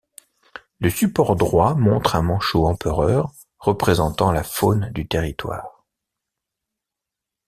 Le support droit montre un Manchot empereur représentant la faune du territoire.